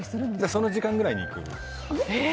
その時間くらいにいく。